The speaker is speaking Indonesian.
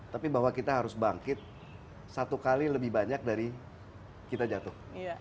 tapi bahwa kita harus bangkit satu kali lebih banyak dari kita jatuh